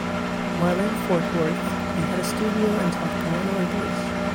While in Fort Worth, he had a studio and taught piano and voice.